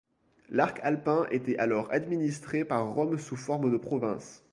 L'arc alpin était alors administré par Rome sous forme de provinces.